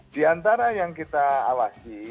diantara yang kita awasi